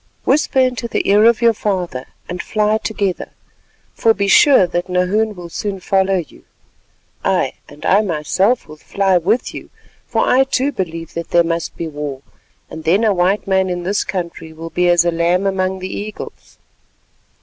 Whisper into the ear of your father and fly together, for be sure that Nahoon will soon follow you. Ay! and I myself with fly with you, for I too believe that there must be war, and then a white man in this country will be as a lamb among the eagles."